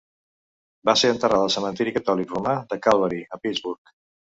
Va ser enterrada al cementiri catòlic romà de Calvary, a Pittsburgh.